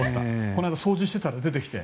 この間掃除してたら出てきた。